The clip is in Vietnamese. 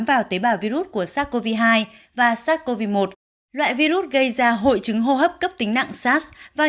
vào virus của sars cov hai và sars cov một loại virus gây ra hội chứng hô hấp cấp tính nặng sars vào